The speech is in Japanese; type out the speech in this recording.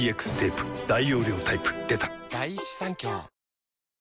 大容量タイプ出た！